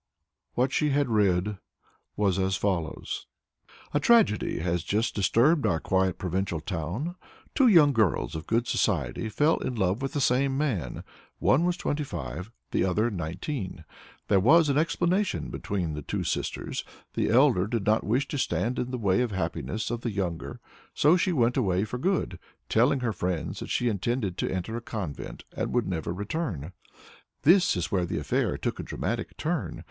What she had read was as follows: "A tragedy has just disturbed our quiet provincial town. Two young girls of good society fell in love with the same young man; one was twenty five, the other nineteen. There was an explanation between the two sisters: the elder did not wish to stand in the way of the happiness of the younger; she went away for good, telling her friends that she intended to enter a convent, and would never return. This is where the affair took a dramatic turn.